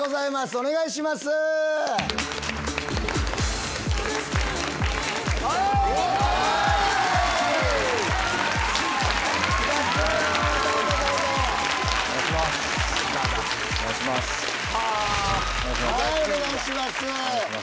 お願いします。